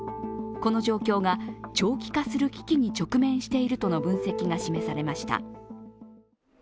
この状況が長期化する危機に直面しているとの分析が示されました。